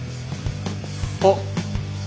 あっ。